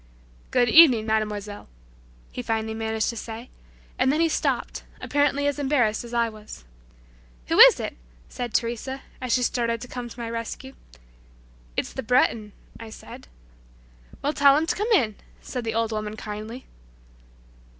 "Good evening, mademoiselle," he finally managed to say, and then he stopped, apparently as embarrassed as I was. "Who it is?" said Teresa, as she started to come to my rescue. "It's the Breton," I said. "Well, tell him to come in," said the old woman kindly.